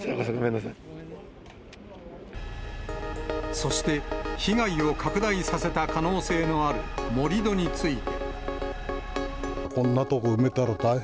そして、被害を拡大させた可能性のある盛り土について。